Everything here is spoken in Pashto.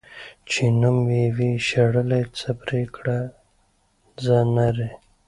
چی نوم یی وی شړي ، څه پریکړه ځه نري .